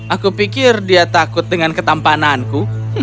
aku pikir dia takut dengan ketampananku